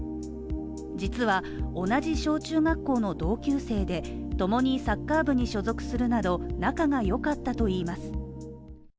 実は同じ小中学校の同級生で、ともにサッカー部に所属するなど、仲が良かったと言います。